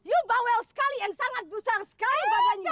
you bawel sekali and sangat besar sekali badannya